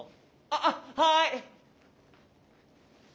あっはい！